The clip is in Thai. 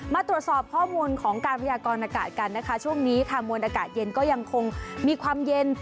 มาตรวจสอบข้อมูลของการพยากรณากาศกันนะคะช่วงนี้ค่ะมวลอากาศเย็นก็ยังคงมีความเย็น